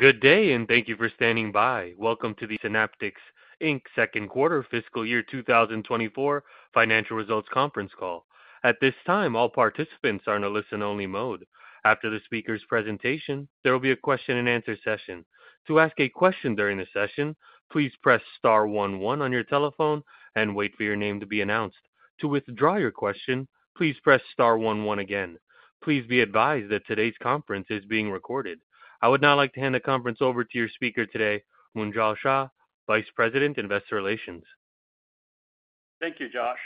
Good day and thank you for standing by. Welcome to the Synaptics Inc. Q2 fiscal year 2024 financial results conference call. At this time, all participants are in a listen-only mode. After the speaker's presentation, there will be a question-and-answer session. To ask a question during the session, please press star 11 on your telephone and wait for your name to be announced. To withdraw your question, please press star 11 again. Please be advised that today's conference is being recorded. I would now like to hand the conference over to your speaker today, Munjal Shah, Vice President, Investor Relations. Thank you, Josh.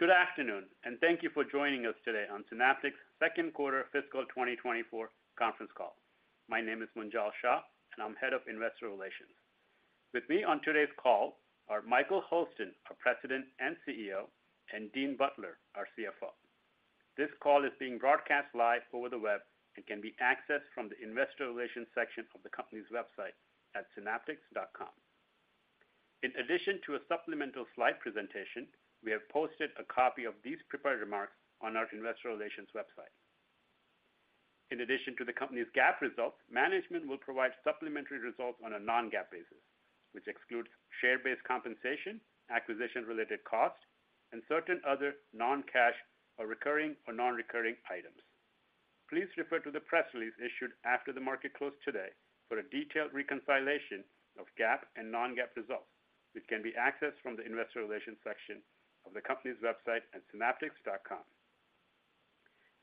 Good afternoon, and thank you for joining us today on Synaptics Q2 fiscal 2024 conference call. My name is Munjal Shah, and I'm head of Investor Relations. With me on today's call are Michael Hurlston, our President and CEO, and Dean Butler, our CFO. This call is being broadcast live over the web and can be accessed from the Investor Relations section of the company's website at synaptics.com. In addition to a supplemental slide presentation, we have posted a copy of these prepared remarks on our Investor Relations website. In addition to the company's GAAP results, management will provide supplementary results on a non-GAAP basis, which excludes share-based compensation, acquisition-related cost, and certain other non-cash or recurring or non-recurring items. Please refer to the press release issued after the market closed today for a detailed reconciliation of GAAP and non-GAAP results, which can be accessed from the Investor Relations section of the company's website at synaptics.com.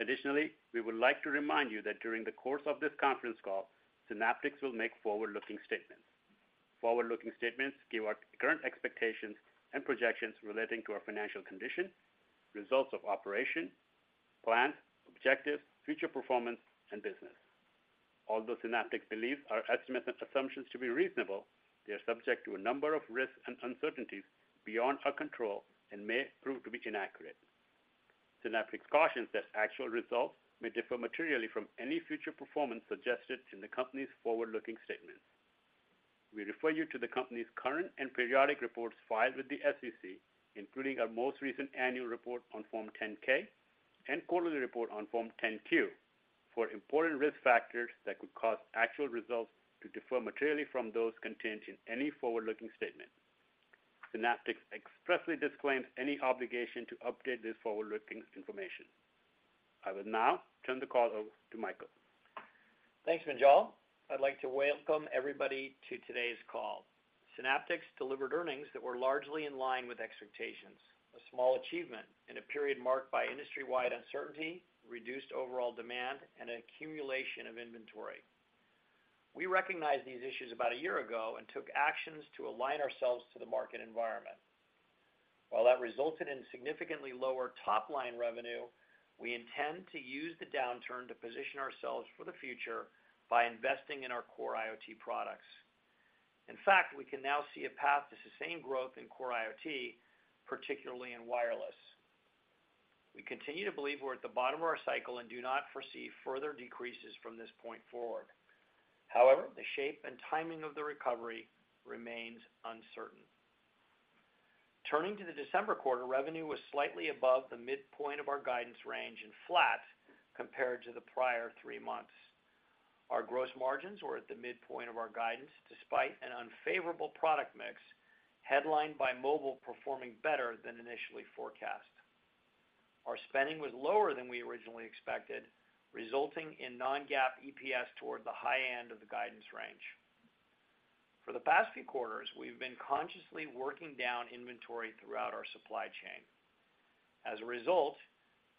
Additionally, we would like to remind you that during the course of this conference call, Synaptics will make forward-looking statements. Forward-looking statements give out current expectations and projections relating to our financial condition, results of operations, plans, objectives, future performance, and business. Although Synaptics believes our estimates and assumptions to be reasonable, they are subject to a number of risks and uncertainties beyond our control and may prove to be inaccurate. Synaptics cautions that actual results may differ materially from any future performance suggested in the company's forward-looking statements. We refer you to the company's current and periodic reports filed with the SEC, including our most recent annual report on Form 10-K and quarterly report on Form 10-Q for important risk factors that could cause actual results to differ materially from those contained in any forward-looking statement. Synaptics expressly disclaims any obligation to update this forward-looking information. I will now turn the call over to Michael. Thanks, Munjal. I'd like to welcome everybody to today's call. Synaptics delivered earnings that were largely in line with expectations, a small achievement in a period marked by industry-wide uncertainty, reduced overall demand, and an accumulation of inventory. We recognized these issues about a year ago and took actions to align ourselves to the market environment. While that resulted in significantly lower top-line revenue, we intend to use the downturn to position ourselves for the future by investing in our Core IoT products. In fact, we can now see a path to sustained growth in Core IoT, particularly in wireless. We continue to believe we're at the bottom of our cycle and do not foresee further decreases from this point forward. However, the shape and timing of the recovery remains uncertain. Turning to the December quarter, revenue was slightly above the midpoint of our guidance range and flat compared to the prior three months. Our gross margins were at the midpoint of our guidance despite an unfavorable product mix headlined by mobile performing better than initially forecast. Our spending was lower than we originally expected, resulting in Non-GAAP EPS toward the high end of the guidance range. For the past few quarters, we've been consciously working down inventory throughout our supply chain. As a result,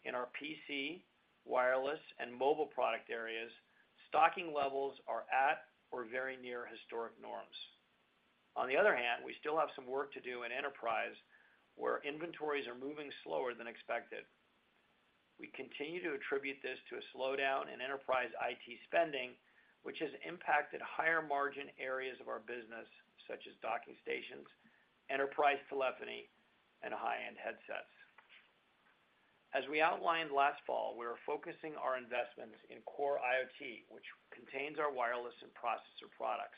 in our PC, wireless, and mobile product areas, stocking levels are at or very near historic norms. On the other hand, we still have some work to do in enterprise where inventories are moving slower than expected. We continue to attribute this to a slowdown in enterprise IT spending, which has impacted higher-margin areas of our business such as docking stations, enterprise telephony, and high-end headsets. As we outlined last fall, we are focusing our investments in Core IoT, which contains our wireless and processor products.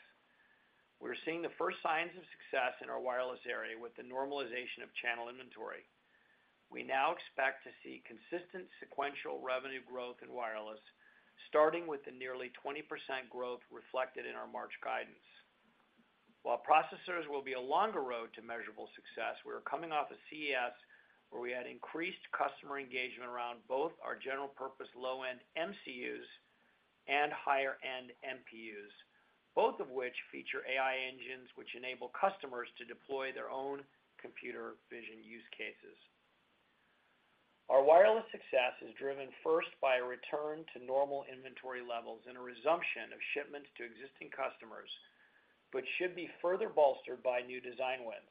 We're seeing the first signs of success in our wireless area with the normalization of channel inventory. We now expect to see consistent sequential revenue growth in wireless, starting with the nearly 20% growth reflected in our March guidance. While processors will be a longer road to measurable success, we are coming off a CES where we had increased customer engagement around both our general-purpose low-end MCUs and higher-end MPUs, both of which feature AI engines which enable customers to deploy their own computer vision use cases. Our wireless success is driven first by a return to normal inventory levels and a resumption of shipments to existing customers, but should be further bolstered by new design wins.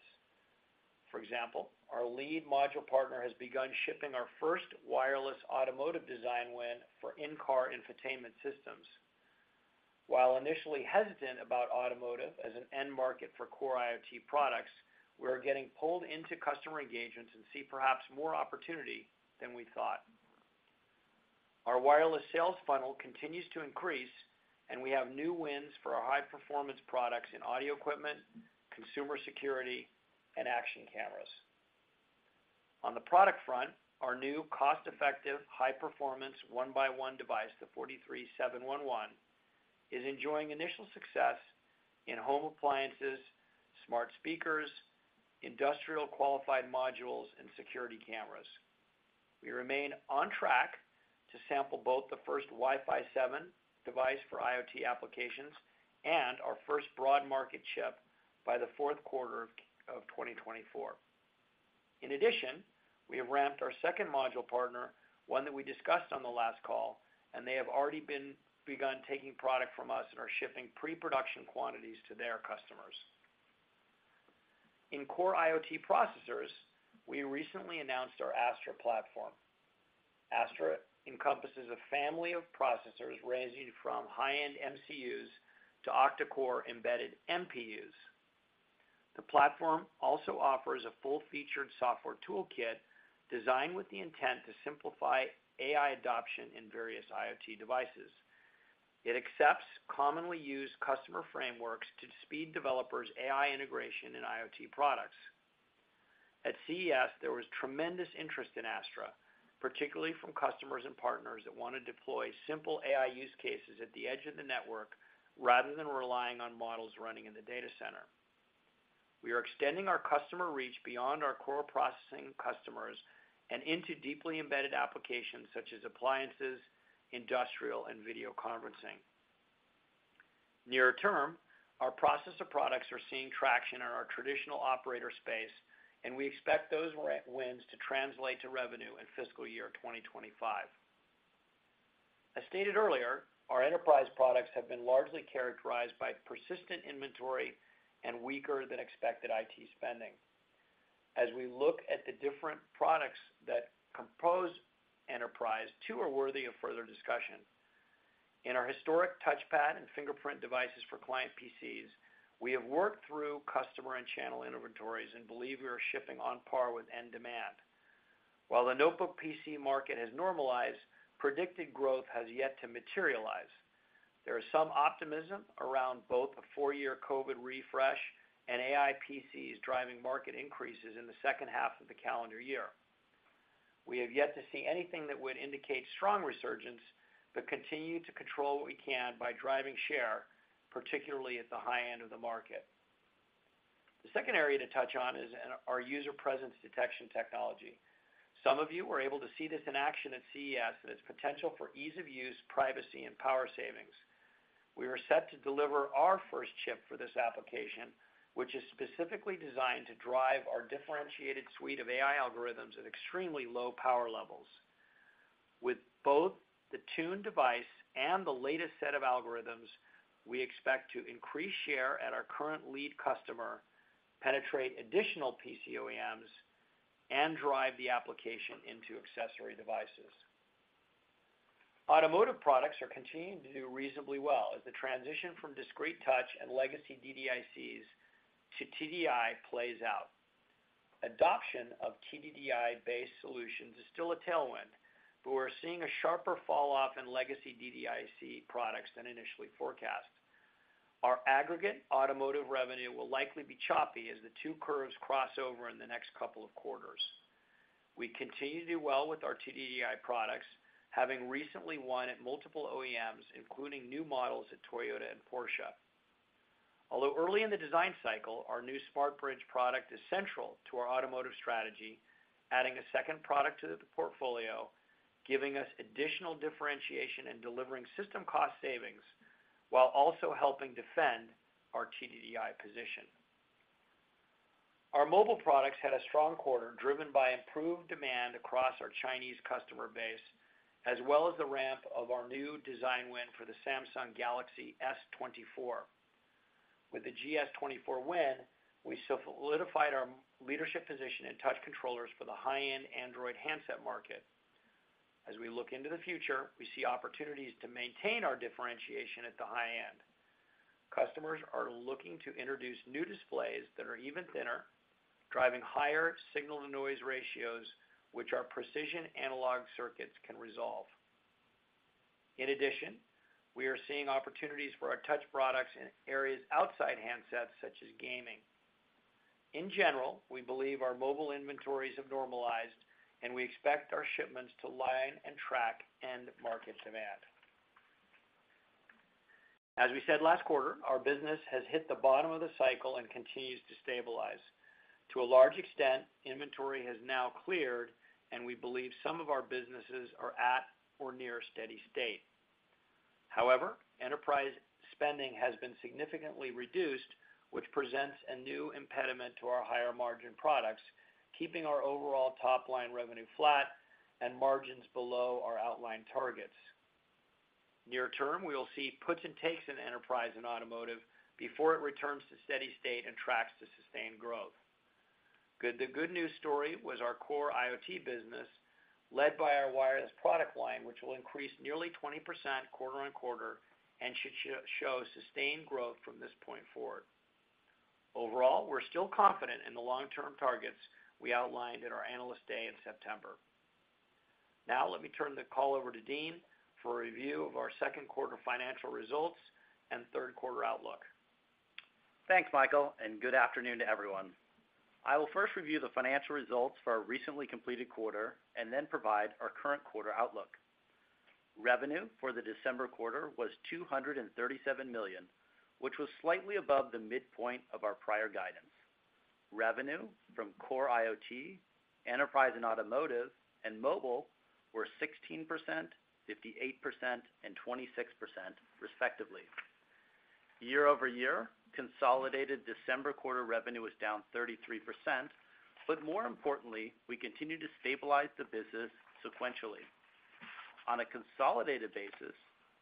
For example, our lead module partner has begun shipping our first wireless automotive design win for in-car infotainment systems. While initially hesitant about automotive as an end market for Core IoT products, we are getting pulled into customer engagements and see perhaps more opportunity than we thought. Our wireless sales funnel continues to increase, and we have new wins for our high-performance products in audio equipment, consumer security, and action cameras. On the product front, our new cost-effective high-performance one-by-one device, the 43711, is enjoying initial success in home appliances, smart speakers, industrial qualified modules, and security cameras. We remain on track to sample both the first Wi-Fi 7 device for IoT applications and our first broad-market chip by the Q4 of 2024. In addition, we have ramped our second module partner, one that we discussed on the last call, and they have already begun taking product from us and are shipping pre-production quantities to their customers. In Core IoT processors, we recently announced our Astra platform. Astra encompasses a family of processors ranging from high-end MCUs to octa-core embedded MPUs. The platform also offers a full-featured software toolkit designed with the intent to simplify AI adoption in various IoT devices. It accepts commonly used customer frameworks to speed developers' AI integration in IoT products. At CES, there was tremendous interest in Astra, particularly from customers and partners that want to deploy simple AI use cases at the edge of the network rather than relying on models running in the data center. We are extending our customer reach beyond our core processing customers and into deeply embedded applications such as appliances, industrial, and video conferencing. Near-term, our processor products are seeing traction in our traditional operator space, and we expect those wins to translate to revenue in fiscal year 2025. As stated earlier, our enterprise products have been largely characterized by persistent inventory and weaker-than-expected IT spending. As we look at the different products that compose enterprise, two are worthy of further discussion. In our historic touchpad and fingerprint devices for client PCs, we have worked through customer and channel inventories and believe we are shipping on par with end demand. While the notebook PC market has normalized, predicted growth has yet to materialize. There is some optimism around both a four-year COVID refresh and AI PCs driving market increases in the second half of the calendar year. We have yet to see anything that would indicate strong resurgence, but continue to control what we can by driving share, particularly at the high end of the market. The second area to touch on is our user presence detection technology. Some of you were able to see this in action at CES and its potential for ease of use, privacy, and power savings. We are set to deliver our first chip for this application, which is specifically designed to drive our differentiated suite of AI algorithms at extremely low power levels. With both the tuned device and the latest set of algorithms, we expect to increase share at our current lead customer, penetrate additional PC OEMs, and drive the application into accessory devices. Automotive products are continuing to do reasonably well as the transition from discrete touch and legacy DDICs to TDDI plays out. Adoption of TDDI-based solutions is still a tailwind, but we're seeing a sharper falloff in legacy DDIC products than initially forecast. Our aggregate automotive revenue will likely be choppy as the two curves cross over in the next couple of quarters. We continue to do well with our TDDI products, having recently won at multiple OEMs, including new models at Toyota and Porsche. Although early in the design cycle, our new SmartBridge product is central to our automotive strategy, adding a second product to the portfolio, giving us additional differentiation and delivering system cost savings while also helping defend our TDDI position. Our mobile products had a strong quarter driven by improved demand across our Chinese customer base, as well as the ramp of our new design win for the Samsung Galaxy S24. With the GS24 win, we solidified our leadership position in touch controllers for the high-end Android handset market. As we look into the future, we see opportunities to maintain our differentiation at the high end. Customers are looking to introduce new displays that are even thinner, driving higher signal-to-noise ratios, which our precision analog circuits can resolve. In addition, we are seeing opportunities for our touch products in areas outside handsets such as gaming. In general, we believe our mobile inventories have normalized, and we expect our shipments to line and track end-market demand. As we said last quarter, our business has hit the bottom of the cycle and continues to stabilize. To a large extent, inventory has now cleared, and we believe some of our businesses are at or near steady state. However, enterprise spending has been significantly reduced, which presents a new impediment to our higher-margin products, keeping our overall top-line revenue flat and margins below our outlined targets. Near term, we will see puts and takes in enterprise and automotive before it returns to steady state and tracks to sustained growth. The good news story was our Core IoT business led by our wireless product line, which will increase nearly 20% quarter-on-quarter and should show sustained growth from this point forward. Overall, we're still confident in the long-term targets we outlined in our analyst day in September. Now, let me turn the call over to Dean for a review of our Q2 financial results and Q3 outlook. Thanks, Michael, and good afternoon to everyone. I will first review the financial results for our recently completed quarter and then provide our current quarter outlook. Revenue for the December quarter was $237 million, which was slightly above the midpoint of our prior guidance. Revenue from Core IoT, enterprise and automotive, and mobile were 16%, 58%, and 26%, respectively. Year-over-year, consolidated December quarter revenue was down 33%, but more importantly, we continue to stabilize the business sequentially. On a consolidated basis,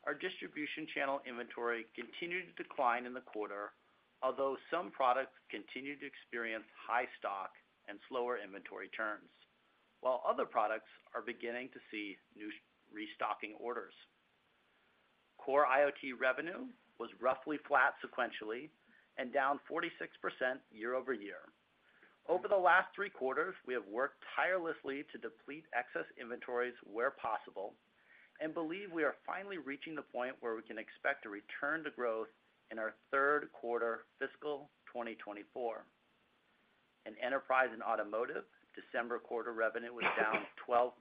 our distribution channel inventory continued to decline in the quarter, although some products continued to experience high stock and slower inventory turns, while other products are beginning to see new restocking orders. Core IoT revenue was roughly flat sequentially and down 46% year-over-year. Over the last Q3, we have worked tirelessly to deplete excess inventories where possible and believe we are finally reaching the point where we can expect a return to growth in our Q3 fiscal 2024. In enterprise and automotive, December quarter revenue was down 12%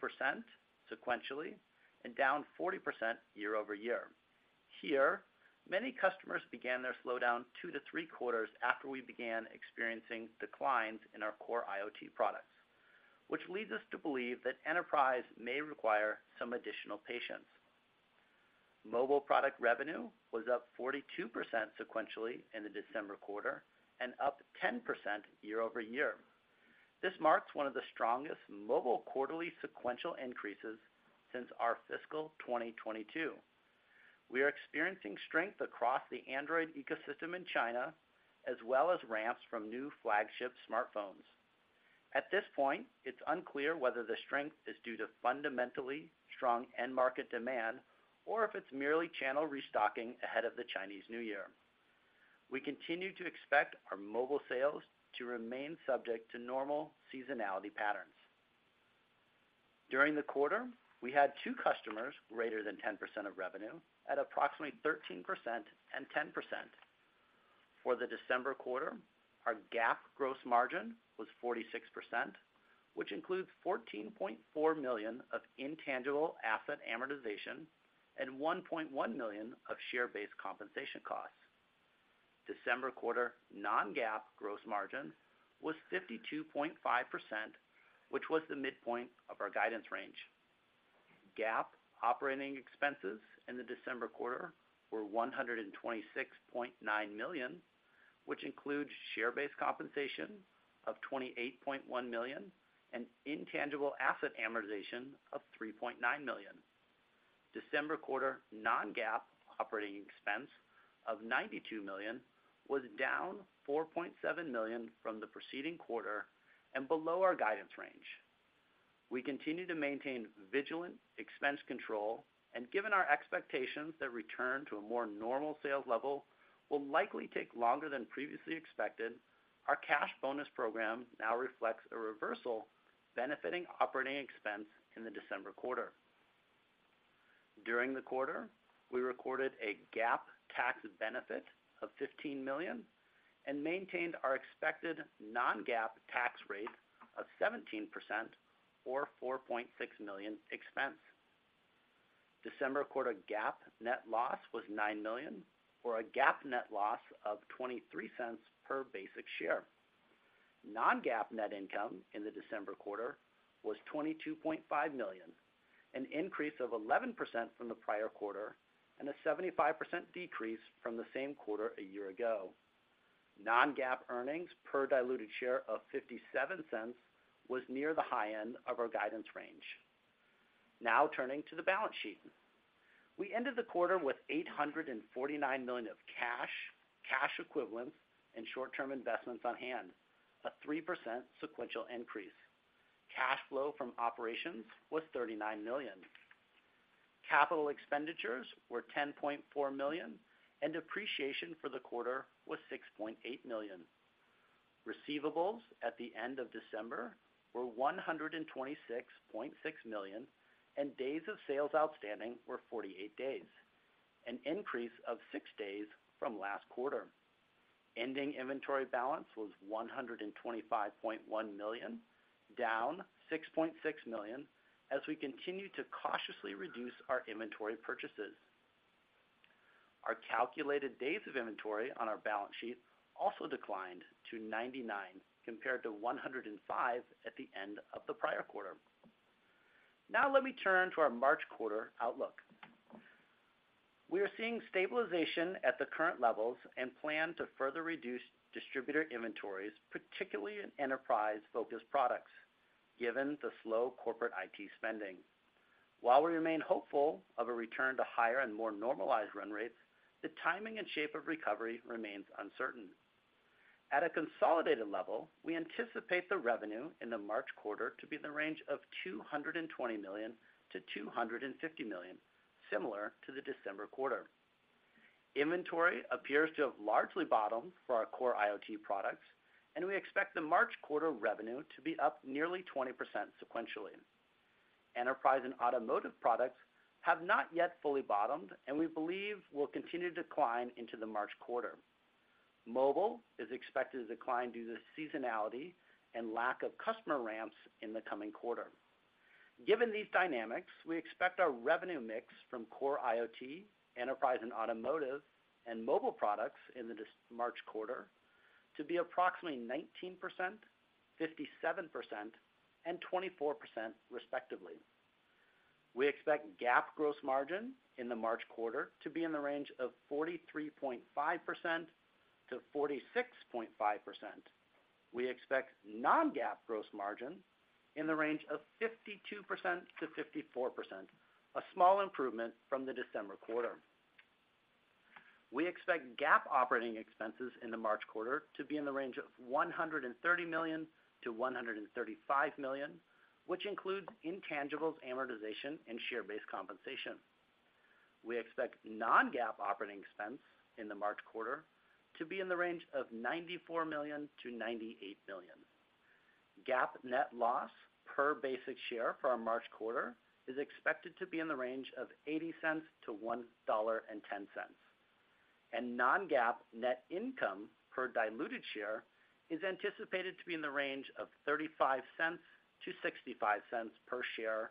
sequentially and down 40% year-over-year. Here, many customers began their slowdown Q2 to Q3 after we began experiencing declines in our Core IoT products, which leads us to believe that enterprise may require some additional patience. Mobile product revenue was up 42% sequentially in the December quarter and up 10% year-over-year. This marks one of the strongest mobile quarterly sequential increases since our fiscal 2022. We are experiencing strength across the Android ecosystem in China, as well as ramps from new flagship smartphones. At this point, it's unclear whether the strength is due to fundamentally strong end-market demand or if it's merely channel restocking ahead of the Chinese New Year. We continue to expect our mobile sales to remain subject to normal seasonality patterns. During the quarter, we had two customers greater than 10% of revenue at approximately 13% and 10%. For the December quarter, our GAAP gross margin was 46%, which includes $14.4 million of intangible asset amortization and $1.1 million of share-based compensation costs. December quarter non-GAAP gross margin was 52.5%, which was the midpoint of our guidance range. GAAP operating expenses in the December quarter were $126.9 million, which includes share-based compensation of $28.1 million and intangible asset amortization of $3.9 million. December quarter non-GAAP operating expense of $92 million was down $4.7 million from the preceding quarter and below our guidance range. We continue to maintain vigilant expense control, and given our expectations that return to a more normal sales level will likely take longer than previously expected, our cash bonus program now reflects a reversal benefiting operating expense in the December quarter. During the quarter, we recorded a GAAP tax benefit of $15 million and maintained our expected non-GAAP tax rate of 17% or $4.6 million expense. December quarter GAAP net loss was $9 million or a GAAP net loss of $0.23 per basic share. Non-GAAP net income in the December quarter was $22.5 million, an increase of 11% from the prior quarter and a 75% decrease from the same quarter a year ago. Non-GAAP earnings per diluted share of $0.57 was near the high end of our guidance range. Now, turning to the balance sheet. We ended the quarter with $849 million of cash, cash equivalents, and short-term investments on hand, a 3% sequential increase. Cash flow from operations was $39 million. Capital expenditures were $10.4 million, and depreciation for the quarter was $6.8 million. Receivables at the end of December were $126.6 million, and days of sales outstanding were 48 days, an increase of six days from last quarter. Ending inventory balance was $125.1 million, down $6.6 million, as we continue to cautiously reduce our inventory purchases. Our calculated days of inventory on our balance sheet also declined to 99 compared to 105 at the end of the prior quarter. Now, let me turn to our March quarter outlook. We are seeing stabilization at the current levels and plan to further reduce distributor inventories, particularly in enterprise-focused products, given the slow corporate IT spending. While we remain hopeful of a return to higher and more normalized run rates, the timing and shape of recovery remains uncertain. At a consolidated level, we anticipate the revenue in the March quarter to be in the range of $220 million-$250 million, similar to the December quarter. Inventory appears to have largely bottomed for our Core IoT products, and we expect the March quarter revenue to be up nearly 20% sequentially. Enterprise and automotive products have not yet fully bottomed, and we believe will continue to decline into the March quarter. Mobile is expected to decline due to seasonality and lack of customer ramps in the coming quarter. Given these dynamics, we expect our revenue mix from Core IoT, enterprise and automotive, and mobile products in the March quarter to be approximately 19%, 57%, and 24%, respectively. We expect GAAP gross margin in the March quarter to be in the range of 43.5%-46.5%. We expect non-GAAP gross margin in the range of 52%-54%, a small improvement from the December quarter. We expect GAAP operating expenses in the March quarter to be in the range of $130 million-$135 million, which includes intangibles amortization and share-based compensation. We expect non-GAAP operating expense in the March quarter to be in the range of $94 million-$98 million. GAAP net loss per basic share for our March quarter is expected to be in the range of $0.80-$1.10, and non-GAAP net income per diluted share is anticipated to be in the range of $0.35-$0.65 per share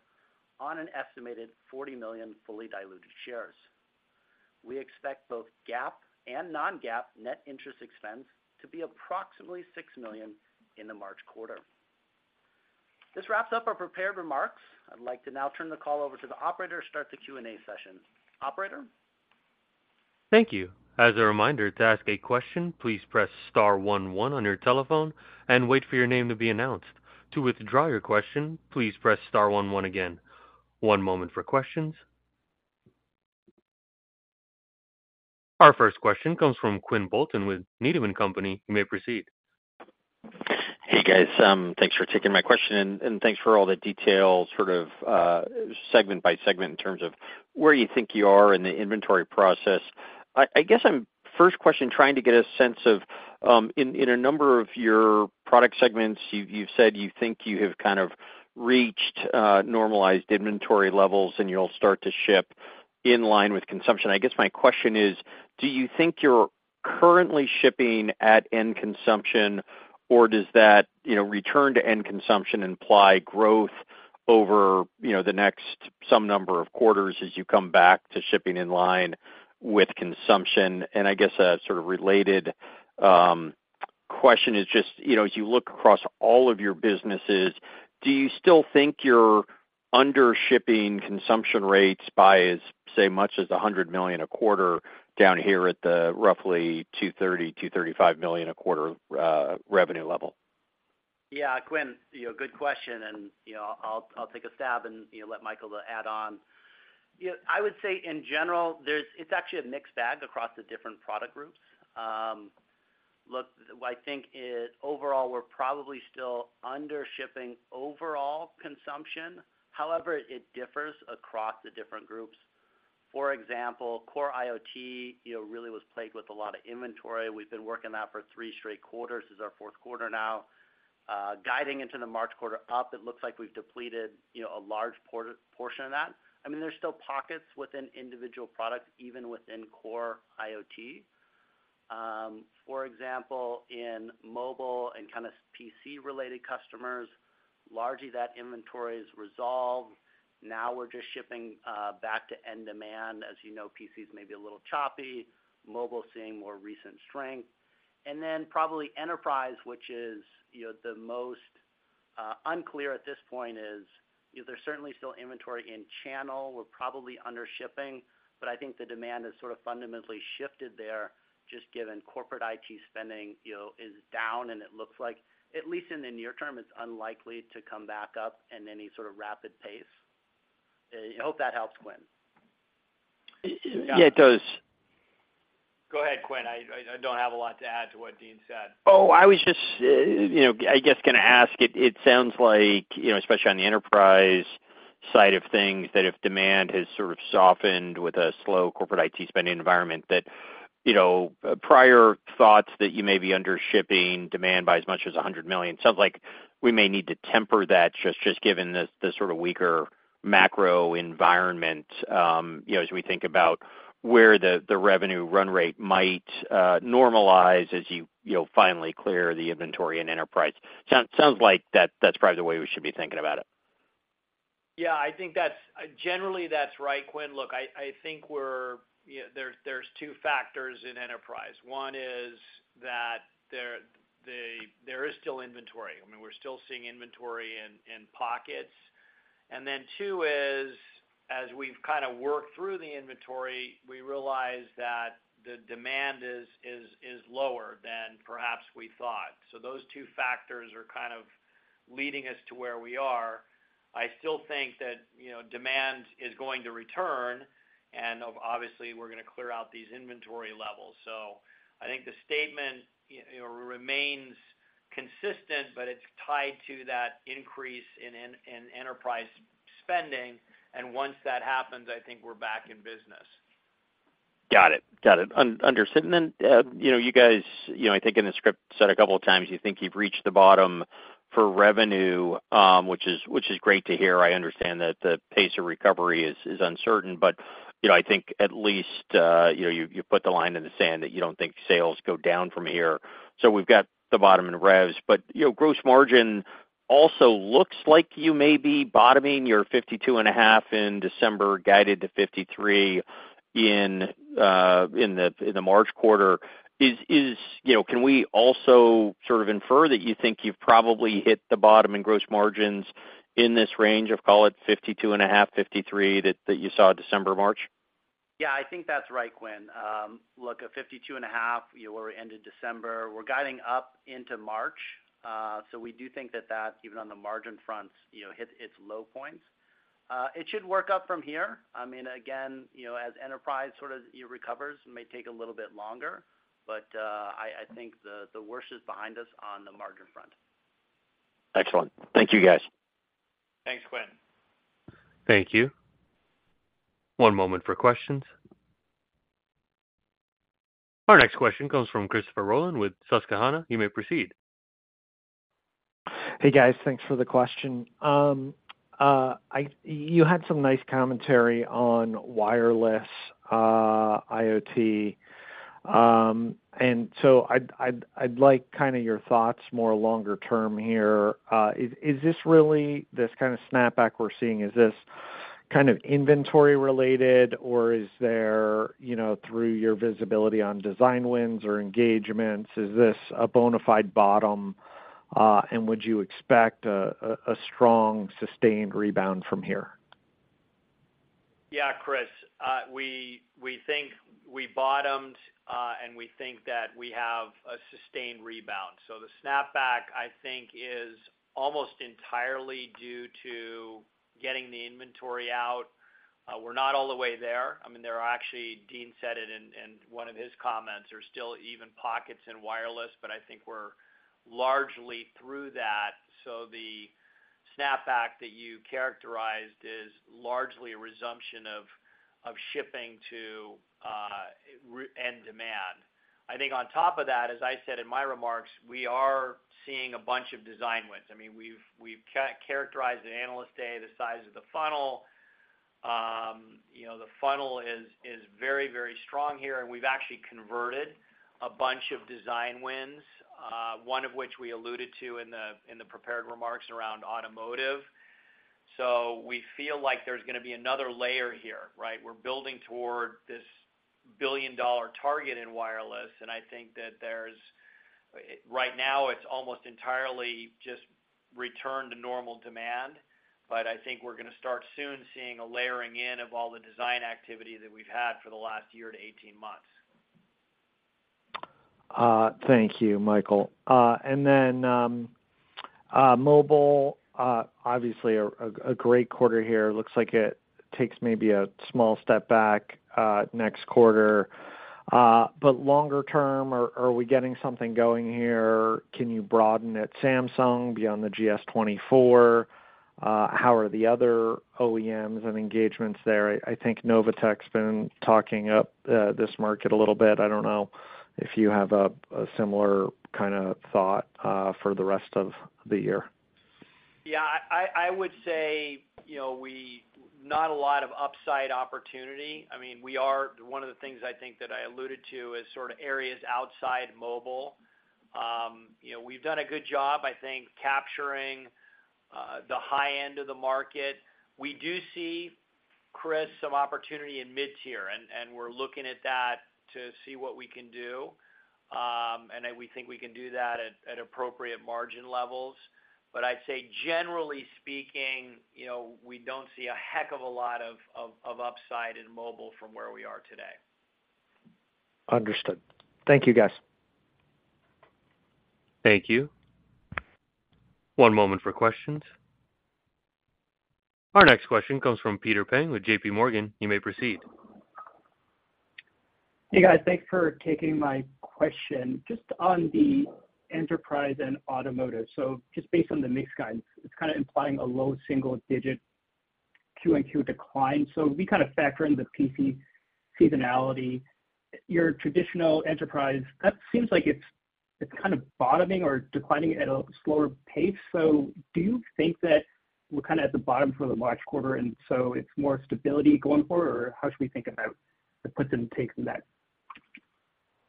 on an estimated 40 million fully diluted shares. We expect both GAAP and non-GAAP net interest expense to be approximately $6 million in the March quarter. This wraps up our prepared remarks. I'd like to now turn the call over to the operator to start the Q&A session. Operator? Thank you. As a reminder, to ask a question, please press star 11 on your telephone and wait for your name to be announced. To withdraw your question, please press star 11 again. One moment for questions. Our first question comes from Quinn Bolton with Needham & Company. You may proceed. Hey guys, thanks for taking my question, and thanks for all the details, sort of segment by segment, in terms of where you think you are in the inventory process. I guess I'm, first question, trying to get a sense of, in a number of your product segments, you've said you think you have kind of reached normalized inventory levels and you'll start to ship in line with consumption. I guess my question is, do you think you're currently shipping at end consumption, or does that return to end consumption imply growth over the next some number of quarters as you come back to shipping in line with consumption? I guess a sort of related question is just, as you look across all of your businesses, do you still think you're under shipping consumption rates by, say, much as $100 million a quarter down here at the roughly $230-$235 million a quarter revenue level? Yeah, Quinn, good question, and I'll take a stab and let Michael add on. I would say, in general, it's actually a mixed bag across the different product groups. Look, I think, overall, we're probably still under shipping overall consumption. However, it differs across the different groups. For example, Core IoT really was plagued with a lot of inventory. We've been working that for three straight quarters. This is our Q4 now. Guiding into the March quarter up, it looks like we've depleted a large portion of that. I mean, there's still pockets within individual products, even within Core IoT. For example, in mobile and kind of PC-related customers, largely that inventory is resolved. Now we're just shipping back to end demand. As you know, PC is maybe a little choppy. Mobile seeing more recent strength. Then probably enterprise, which is the most unclear at this point, is there's certainly still inventory in channel. We're probably under shipping, but I think the demand has sort of fundamentally shifted there, just given corporate IT spending is down, and it looks like, at least in the near term, it's unlikely to come back up in any sort of rapid pace. I hope that helps, Quinn. Yeah, it does. Go ahead, Quinn. I don't have a lot to add to what Dean said. Oh, I was just, I guess, going to ask. It sounds like, especially on the enterprise side of things, that if demand has sort of softened with a slow corporate IT spending environment, that prior thoughts that you may be under shipping demand by as much as $100 million. Sounds like we may need to temper that, just given the sort of weaker macro environment as we think about where the revenue run rate might normalize as you finally clear the inventory in enterprise. Sounds like that's probably the way we should be thinking about it. Yeah, I think that's generally right, Quinn. Look, I think there's two factors in enterprise. One is that there is still inventory. I mean, we're still seeing inventory in pockets. And then two is, as we've kind of worked through the inventory, we realize that the demand is lower than perhaps we thought. So those two factors are kind of leading us to where we are. I still think that demand is going to return, and obviously, we're going to clear out these inventory levels. So I think the statement remains consistent, but it's tied to that increase in enterprise spending. And once that happens, I think we're back in business. Got it. Got it. Understood. And then you guys, I think in the script said a couple of times you think you've reached the bottom for revenue, which is great to hear. I understand that the pace of recovery is uncertain, but I think at least you put the line in the sand that you don't think sales go down from here. So we've got the bottom in revs, but gross margin also looks like you may be bottoming your 52.5% in December, guided to 53% in the March quarter. Can we also sort of infer that you think you've probably hit the bottom in gross margins in this range of, call it, 52.5%-53% that you saw December, March? Yeah, I think that's right, Quinn. Look, at 52.5, where we ended December, we're guiding up into March. So we do think that that, even on the margin fronts, hit its low points. It should work up from here. I mean, again, as enterprise sort of recovers, it may take a little bit longer, but I think the worst is behind us on the margin front. Excellent. Thank you, guys. Thanks, Quinn. Thank you. One moment for questions. Our next question comes from Christopher Rolland with Susquehanna. You may proceed. Hey guys, thanks for the question. You had some nice commentary on wireless IoT. And so I'd like kind of your thoughts more longer term here. Is this really this kind of snapback we're seeing, is this kind of inventory-related, or is there, through your visibility on design wins or engagements, is this a bona fide bottom, and would you expect a strong, sustained rebound from here? Yeah, Chris. We think we bottomed, and we think that we have a sustained rebound. So the snapback, I think, is almost entirely due to getting the inventory out. We're not all the way there. I mean, there are actually, Dean said it in one of his comments, there's still even pockets in wireless, but I think we're largely through that. So the snapback that you characterized is largely a resumption of shipping to end demand. I think on top of that, as I said in my remarks, we are seeing a bunch of design wins. I mean, we've characterized the analyst day, the size of the funnel. The funnel is very, very strong here, and we've actually converted a bunch of design wins, one of which we alluded to in the prepared remarks around automotive. So we feel like there's going to be another layer here, right? We're building toward this billion-dollar target in wireless, and I think that there's right now, it's almost entirely just return to normal demand, but I think we're going to start soon seeing a layering in of all the design activity that we've had for the last year to 18 months. Thank you, Michael. Then mobile, obviously, a great quarter here. Looks like it takes maybe a small step back next quarter. But longer term, are we getting something going here? Can you broaden at Samsung beyond the GS24? How are the other OEMs and engagements there? I think Novatek's been talking up this market a little bit. I don't know if you have a similar kind of thought for the rest of the year. Yeah, I would say not a lot of upside opportunity. I mean, we are one of the things I think that I alluded to as sort of areas outside mobile. We've done a good job, I think, capturing the high end of the market. We do see, Chris, some opportunity in mid-tier, and we're looking at that to see what we can do. We think we can do that at appropriate margin levels. I'd say, generally speaking, we don't see a heck of a lot of upside in mobile from where we are today. Understood. Thank you, guys. Thank you. One moment for questions. Our next question comes from Peter Peng with JP Morgan. You may proceed. Hey guys, thanks for taking my question. Just on the enterprise and automotive, so just based on the mix guidance, it's kind of implying a low single-digit Q&Q decline. So we kind of factor in the PC seasonality. Your traditional enterprise, that seems like it's kind of bottoming or declining at a slower pace. So do you think that we're kind of at the bottom for the March quarter, and so it's more stability going forward, or how should we think about the puts and takes in that?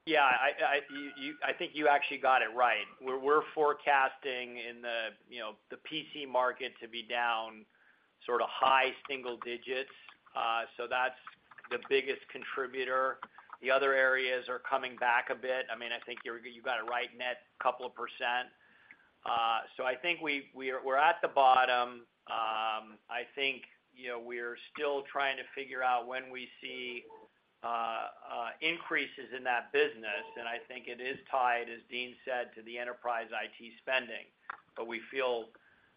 Yeah, I think you actually got it right. We're forecasting in the PC market to be down sort of high single digits%. So that's the biggest contributor. The other areas are coming back a bit. I mean, I think you got it right, net couple of %. So I think we're at the bottom. I think we're still trying to figure out when we see increases in that business, and I think it is tied, as Dean said, to the enterprise IT spending. But we feel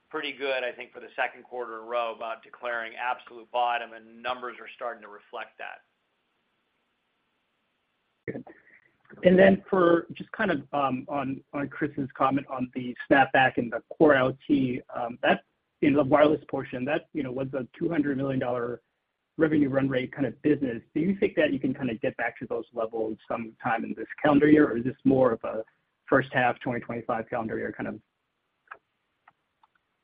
pretty good, I think, for the Q2 in a row about declaring absolute bottom, and numbers are starting to reflect that. Good. And then just kind of on Chris's comment on the snapback in the Core IoT, in the wireless portion, that was a $200 million revenue run rate kind of business. Do you think that you can kind of get back to those levels sometime in this calendar year, or is this more of a first half 2025 calendar year kind of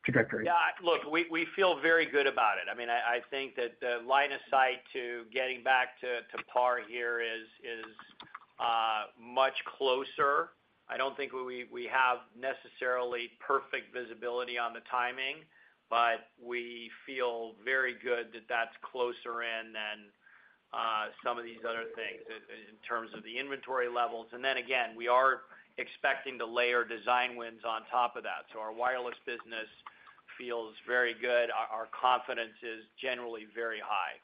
trajectory? Yeah, look, we feel very good about it. I mean, I think that the line of sight to getting back to par here is much closer. I don't think we have necessarily perfect visibility on the timing, but we feel very good that that's closer in than some of these other things in terms of the inventory levels. And then again, we are expecting to layer design wins on top of that. So our wireless business feels very good. Our confidence is generally very high.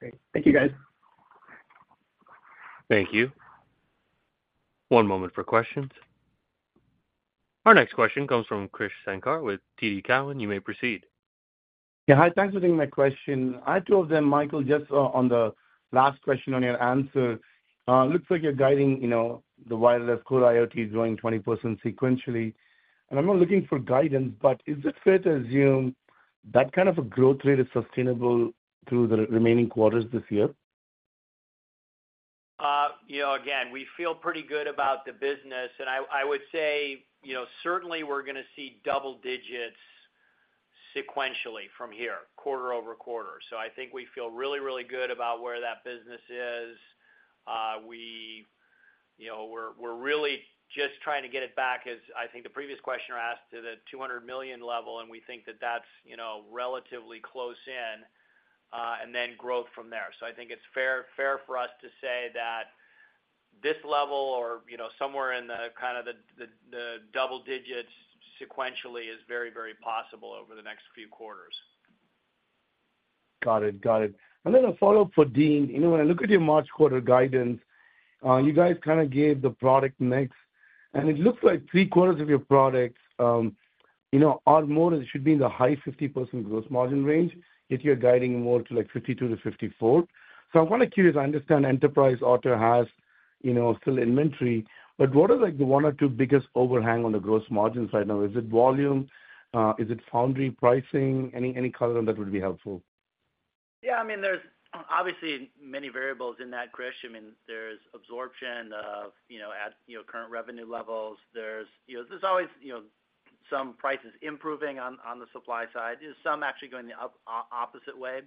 Great. Thank you, guys. Thank you. One moment for questions. Our next question comes from Krish Sankar with TD Cowen. You may proceed. Yeah, hi. Thanks for taking my question. I had two of them, Michael, just on the last question on your answer. Looks like you're guiding the wireless Core IoT is growing 20% sequentially. And I'm not looking for guidance, but is it fair to assume that kind of a growth rate is sustainable through the remaining quarters this year? Again, we feel pretty good about the business, and I would say certainly we're going to see double digits sequentially from here, quarter-over-quarter. So I think we feel really, really good about where that business is. We're really just trying to get it back, as I think the previous questioner asked, to the $200 million level, and we think that that's relatively close in, and then growth from there. So I think it's fair for us to say that this level or somewhere in kind of the double digits sequentially is very, very possible over the next few quarters. Got it. Got it. Then a follow-up for Dean, when I look at your March quarter guidance, you guys kind of gave the product mix, and it looks like three quarters of your product are more it should be in the high 50% gross margin range. Yet you're guiding more to 52%-54%. So I'm kind of curious. I understand enterprise auto has still inventory, but what are the one or two biggest overhangs on the gross margins right now? Is it volume? Is it foundry pricing? Any color on that would be helpful. Yeah, I mean, there's obviously many variables in that, Krish. I mean, there's absorption of current revenue levels. There's always some prices improving on the supply side, some actually going the opposite way.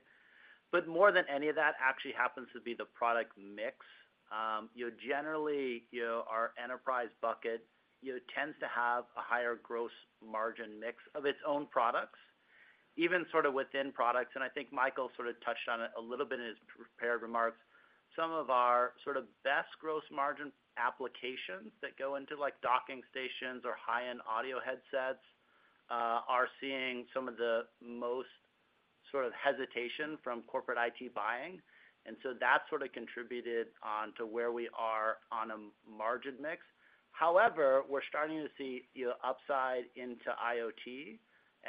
But more than any of that actually happens to be the product mix. Generally, our enterprise bucket tends to have a higher gross margin mix of its own products, even sort of within products. And I think Michael sort of touched on it a little bit in his prepared remarks. Some of our sort of best gross margin applications that go into docking stations or high-end audio headsets are seeing some of the most sort of hesitation from corporate IT buying. And so that sort of contributed onto where we are on a margin mix. However, we're starting to see upside into IoT,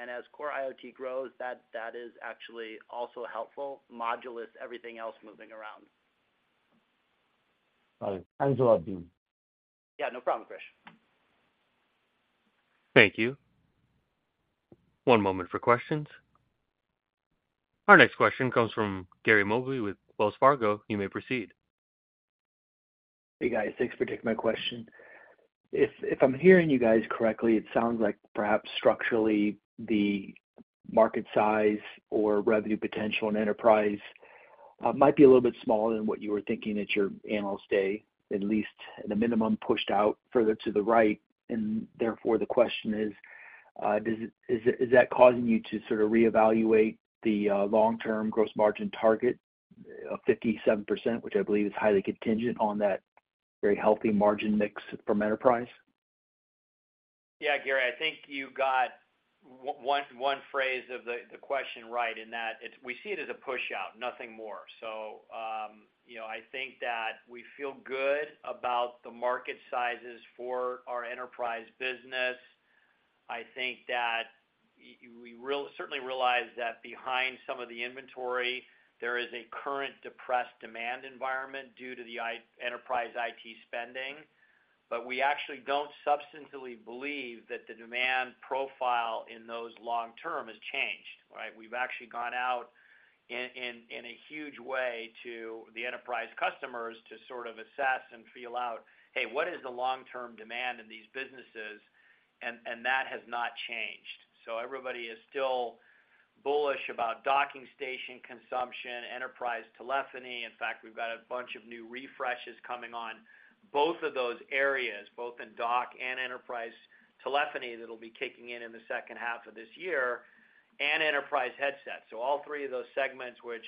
and as Core IoT grows, that is actually also helpful, modulo everything else moving around. Got it. Thanks a lot, Dean. Yeah, no problem, Krish. Thank you. One moment for questions. Our next question comes from Gary Mobley with Wells Fargo. You may proceed. Hey guys, thanks for taking my question. If I'm hearing you guys correctly, it sounds like perhaps structurally, the market size or revenue potential in enterprise might be a little bit smaller than what you were thinking at your analyst day, at least at a minimum, pushed out further to the right. Therefore, the question is, is that causing you to sort of reevaluate the long-term gross margin target of 57%, which I believe is highly contingent on that very healthy margin mix from enterprise? Yeah, Gary, I think you got one phrase of the question right in that we see it as a push out, nothing more. So I think that we feel good about the market sizes for our enterprise business. I think that we certainly realize that behind some of the inventory, there is a current depressed demand environment due to the enterprise IT spending, but we actually don't substantively believe that the demand profile in those long-term has changed, right? We've actually gone out in a huge way to the enterprise customers to sort of assess and feel out, "Hey, what is the long-term demand in these businesses?" And that has not changed. So everybody is still bullish about docking station consumption, enterprise telephony. In fact, we've got a bunch of new refreshes coming on both of those areas, both in dock and enterprise telephony that'll be kicking in in the second half of this year, and enterprise headsets. So all three of those segments, which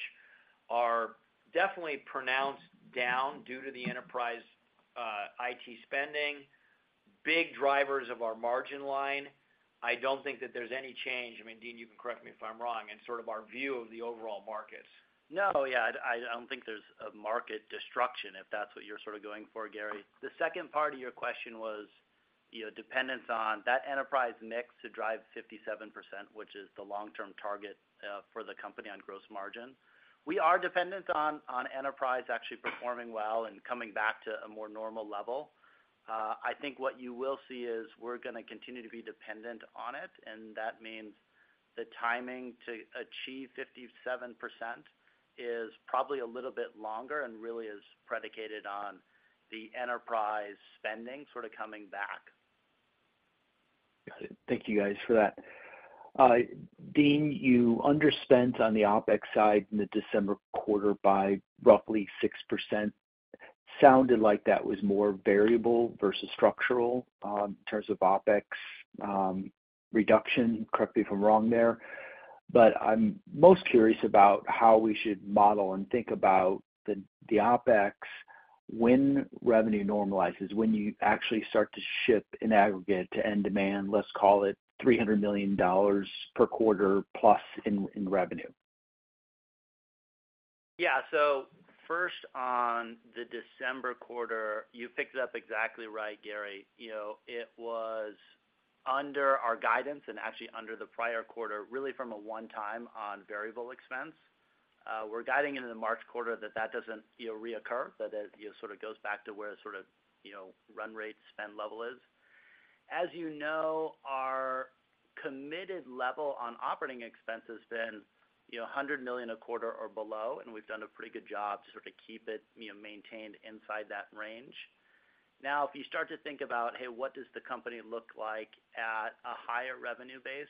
are definitely pronounced down due to the enterprise IT spending, big drivers of our margin line. I don't think that there's any change. I mean, Dean, you can correct me if I'm wrong, in sort of our view of the overall markets. No, yeah, I don't think there's a market destruction, if that's what you're sort of going for, Gary. The second part of your question was dependence on that enterprise mix to drive 57%, which is the long-term target for the company on gross margin. We are dependent on enterprise actually performing well and coming back to a more normal level. I think what you will see is we're going to continue to be dependent on it, and that means the timing to achieve 57% is probably a little bit longer and really is predicated on the enterprise spending sort of coming back. Got it. Thank you, guys, for that. Dean, you underspent on the OpEx side in the December quarter by roughly 6%. Sounded like that was more variable versus structural in terms of OpEx reduction. Correct me if I'm wrong there. But I'm most curious about how we should model and think about the OpEx when revenue normalizes, when you actually start to ship in aggregate to end demand, let's call it $300 million per quarter plus in revenue. Yeah, so first on the December quarter, you picked it up exactly right, Gary. It was under our guidance and actually under the prior quarter, really from a one-time on variable expense. We're guiding into the March quarter that that doesn't reoccur, that it sort of goes back to where sort of run rate spend level is. As you know, our committed level on operating expense has been $100 million a quarter or below, and we've done a pretty good job to sort of keep it maintained inside that range. Now, if you start to think about, "Hey, what does the company look like at a higher revenue base?"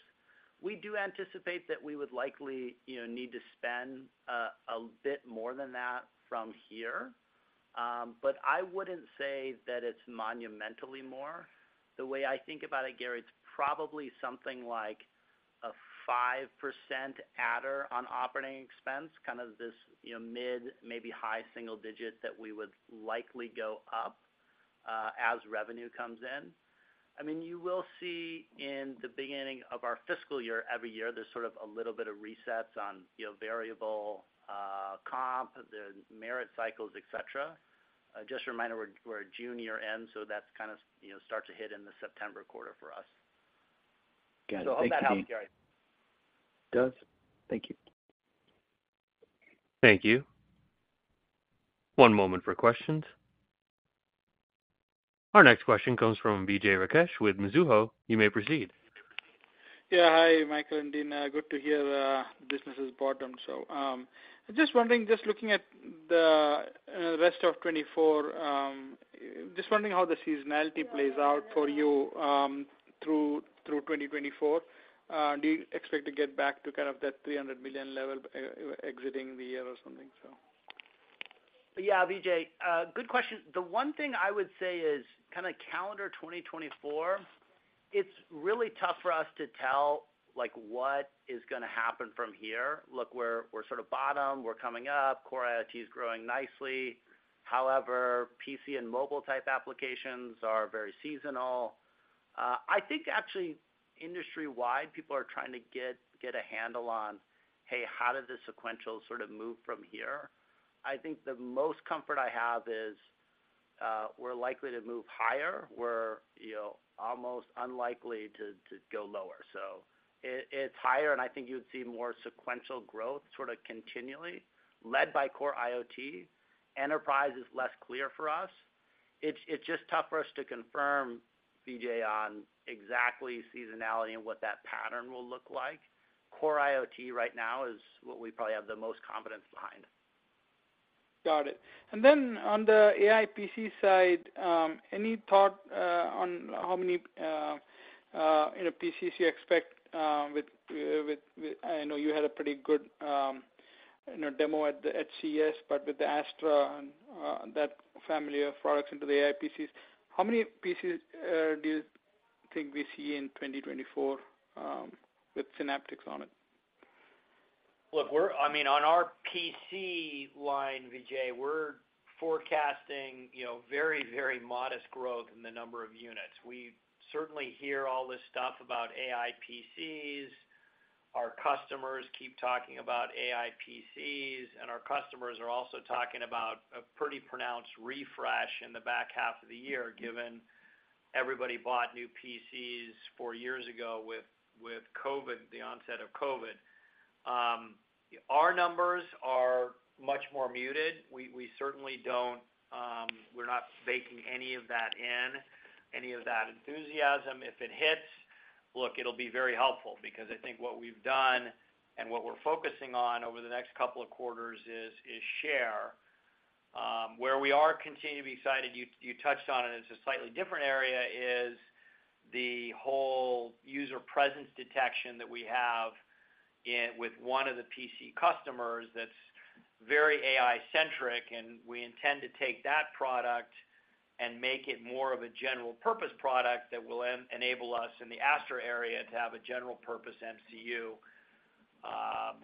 We do anticipate that we would likely need to spend a bit more than that from here, but I wouldn't say that it's monumentally more. The way I think about it, Gary, it's probably something like a 5% adder on operating expense, kind of this mid, maybe high single digit that we would likely go up as revenue comes in. I mean, you will see in the beginning of our fiscal year, every year, there's sort of a little bit of resets on variable comp, the merit cycles, etc. Just a reminder, we're at June year-end, so that kind of starts to hit in the September quarter for us. Got it. Thank you. Hope that helps, Gary. Yes. Thank you. Thank you. One moment for questions. Our next question comes from Vijay Rakesh with Mizuho. You may proceed. Yeah, hi, Michael and Dean. Good to hear the business has bottomed. So just wondering, just looking at the rest of 2024, just wondering how the seasonality plays out for you through 2024. Do you expect to get back to kind of that $300 million level exiting the year or something, so? Yeah, Vijay, good question. The one thing I would say is kind of calendar 2024, it's really tough for us to tell what is going to happen from here. Look, we're sort of bottom. We're coming up. Core IoT is growing nicely. However, PC and mobile type applications are very seasonal. I think actually industry-wide, people are trying to get a handle on, "Hey, how did this sequential sort of move from here?" I think the most comfort I have is we're likely to move higher. We're almost unlikely to go lower. So it's higher, and I think you would see more sequential growth sort of continually led by Core IoT. Enterprise is less clear for us. It's just tough for us to confirm, Vijay, on exactly seasonality and what that pattern will look like. Core IoT right now is what we probably have the most confidence behind. Got it. And then on the AI PC side, any thought on how many PCs you expect with, I know you had a pretty good demo at the CES, but with the Astra and that family of products into the AI PCs, how many PCs do you think we see in 2024 with Synaptics on it? Look, I mean, on our PC line, Vijay, we're forecasting very, very modest growth in the number of units. We certainly hear all this stuff about AI PCs. Our customers keep talking about AI PCs, and our customers are also talking about a pretty pronounced refresh in the back half of the year, given everybody bought new PCs four years ago with COVID, the onset of COVID. Our numbers are much more muted. We certainly don't – we're not baking any of that in, any of that enthusiasm. If it hits, look, it'll be very helpful because I think what we've done and what we're focusing on over the next couple of quarters is share. We're continuing to be excited, you touched on it in a slightly different area, is the whole user presence detection that we have with one of the PC customers that's very AI-centric, and we intend to take that product and make it more of a general-purpose product that will enable us in the Astra area to have a general-purpose MCU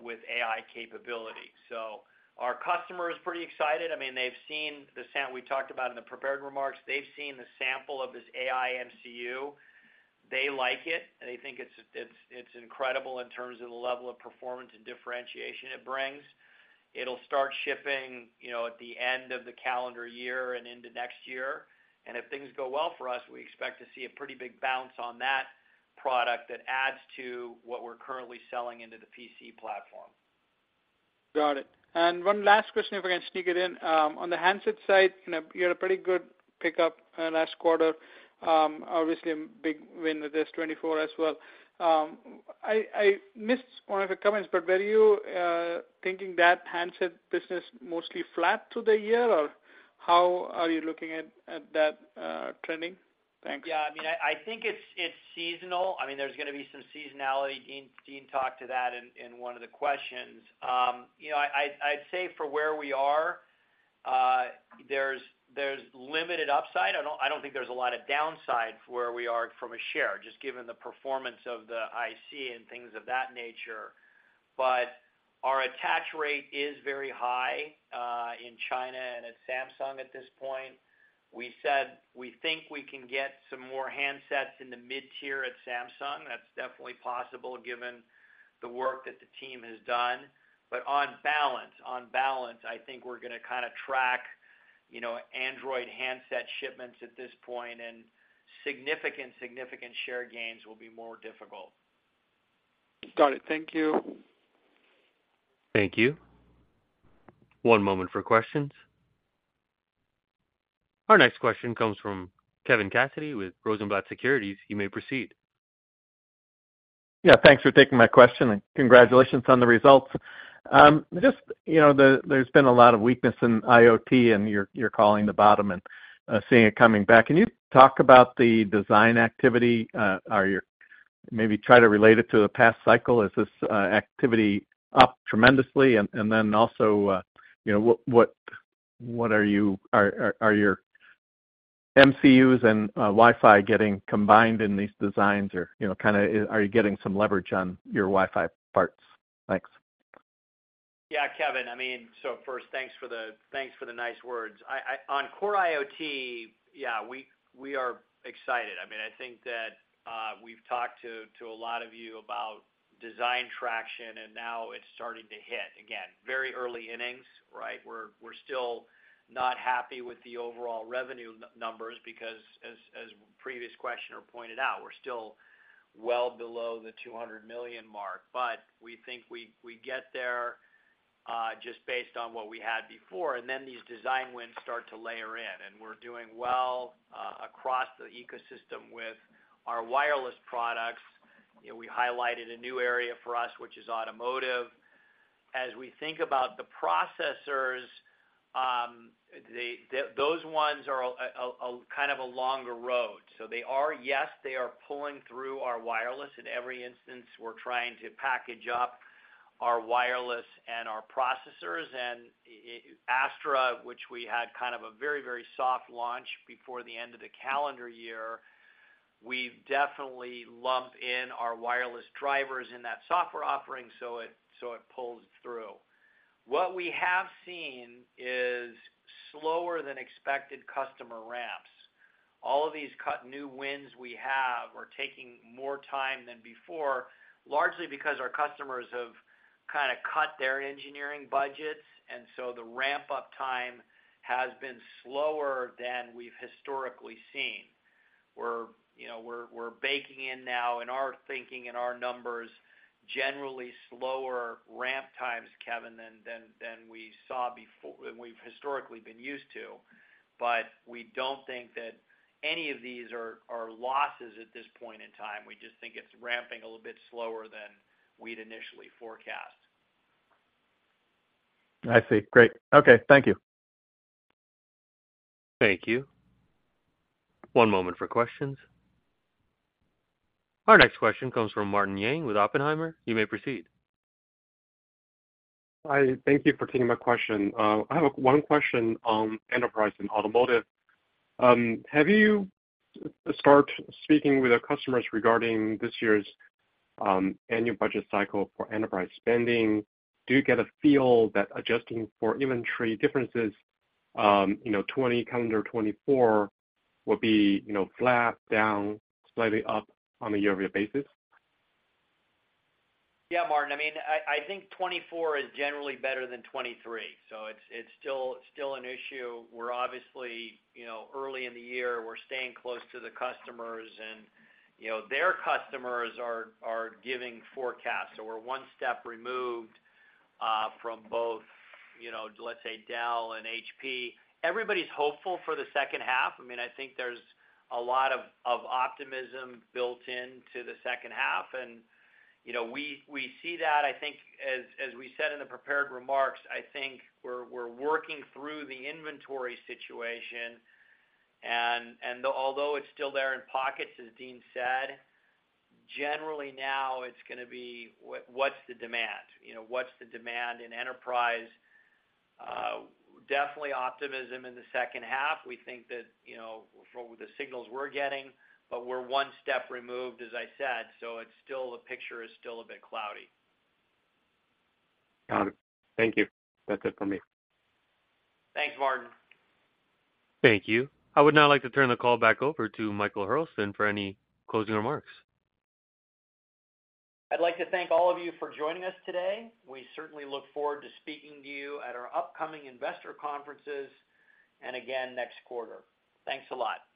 with AI capability. So our customer is pretty excited. I mean, they've seen the one we talked about in the prepared remarks. They've seen the sample of this AI MCU. They like it. They think it's incredible in terms of the level of performance and differentiation it brings. It'll start shipping at the end of the calendar year and into next year. If things go well for us, we expect to see a pretty big bounce on that product that adds to what we're currently selling into the PC platform. Got it. And one last question if I can sneak it in. On the handset side, you had a pretty good pickup last quarter, obviously a big win with this 2024 as well. I missed one of your comments, but were you thinking that handset business mostly flat through the year, or how are you looking at that trending? Thanks. Yeah, I mean, I think it's seasonal. I mean, there's going to be some seasonality. Dean talked to that in one of the questions. I'd say for where we are, there's limited upside. I don't think there's a lot of downside for where we are from a share, just given the performance of the IC and things of that nature. But our attach rate is very high in China and at Samsung at this point. We said we think we can get some more handsets in the mid-tier at Samsung. That's definitely possible given the work that the team has done. But on balance, on balance, I think we're going to kind of track Android handset shipments at this point, and significant, significant share gains will be more difficult. Got it. Thank you. Thank you. One moment for questions. Our next question comes from Kevin Cassidy with Rosenblatt Securities. You may proceed. Yeah, thanks for taking my question, and congratulations on the results. Just there's been a lot of weakness in IoT, and you're calling the bottom and seeing it coming back. Can you talk about the design activity? Maybe try to relate it to the past cycle. Is this activity up tremendously? And then also, what are your MCUs and Wi-Fi getting combined in these designs, or kind of are you getting some leverage on your Wi-Fi parts? Thanks. Yeah, Kevin, I mean, so first, thanks for the nice words. On Core IoT, yeah, we are excited. I mean, I think that we've talked to a lot of you about design traction, and now it's starting to hit. Again, very early innings, right? We're still not happy with the overall revenue numbers because, as previous questioner pointed out, we're still well below the $200 million mark. But we think we get there just based on what we had before, and then these design wins start to layer in. And we're doing well across the ecosystem with our wireless products. We highlighted a new area for us, which is automotive. As we think about the processors, those ones are kind of a longer road. So they are, yes, they are pulling through our wireless. In every instance, we're trying to package up our wireless and our processors. Astra, which we had kind of a very, very soft launch before the end of the calendar year, we definitely lump in our wireless drivers in that software offering so it pulls through. What we have seen is slower-than-expected customer ramps. All of these new wins we have are taking more time than before, largely because our customers have kind of cut their engineering budgets, and so the ramp-up time has been slower than we've historically seen. We're baking in now in our thinking and our numbers generally slower ramp times, Kevin, than we saw before than we've historically been used to. But we don't think that any of these are losses at this point in time. We just think it's ramping a little bit slower than we'd initially forecast. I see. Great. Okay. Thank you. Thank you. One moment for questions. Our next question comes from Martin Yang with Oppenheimer. You may proceed. Hi. Thank you for taking my question. I have one question on enterprise and automotive. Have you started speaking with our customers regarding this year's annual budget cycle for enterprise spending? Do you get a feel that adjusting for inventory differences, 2020 calendar 2024, will be flat, down, slightly up on a yearly basis? Yeah, Martin. I mean, I think 2024 is generally better than 2023. So it's still an issue. We're obviously early in the year. We're staying close to the customers, and their customers are giving forecasts. So we're one step removed from both, let's say, Dell and HP. Everybody's hopeful for the second half. I mean, I think there's a lot of optimism built into the second half, and we see that. I think, as we said in the prepared remarks, I think we're working through the inventory situation. And although it's still there in pockets, as Dean said, generally now, it's going to be what's the demand? What's the demand in enterprise? Definitely optimism in the second half. We think that with the signals we're getting, but we're one step removed, as I said. So the picture is still a bit cloudy. Got it. Thank you. That's it from me. Thanks, Martin. Thank you. I would now like to turn the call back over to Michael Hurlston for any closing remarks. I'd like to thank all of you for joining us today. We certainly look forward to speaking to you at our upcoming investor conferences and again next quarter. Thanks a lot. Thank you.